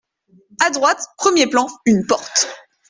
À droite, premier plan, une porte.